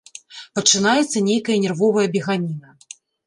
Пачынаецца нейкая нервовая беганіна.